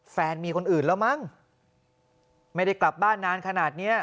แฟนมีคนอื่นแล้วมั้งไม่ได้กลับบ้านนานขนาดเนี้ย